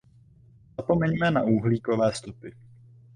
Zapomeňme na uhlíkové stopy.